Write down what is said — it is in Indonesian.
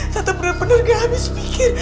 tante bener bener nggak habis pikir